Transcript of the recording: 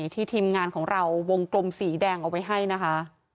ทีมงานของเราวงกลมสีแดงเอาไว้ให้นะคะ